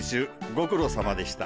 ご苦労さまでした。